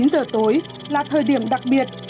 chín giờ tối là thời điểm đặc biệt